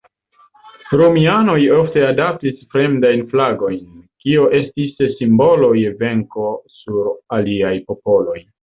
Romianoj ofte adoptis fremdajn flagojn, kio estis simbolo je venko sur aliaj popoloj.